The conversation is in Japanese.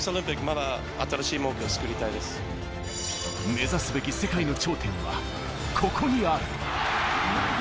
目指すべき世界の頂点は、ここにある。